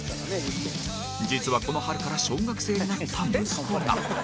実はこの春から小学生になった息子が